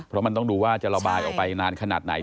เพราะมันต้องดูว่าจะระบายออกไปนานขนาดไหน